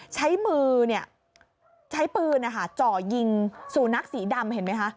ใช้มือใช้ปืนจ่อยิงสูนักสีดำเห็นไหมคะ